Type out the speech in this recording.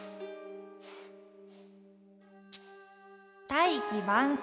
「大器晩成」。